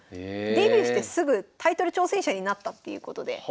デビューしてすぐタイトル挑戦者になったっていうことで。